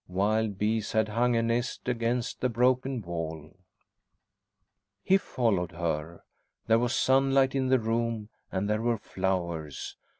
Wild bees had hung a nest against the broken wall. He followed her. There was sunlight in the room, and there were flowers.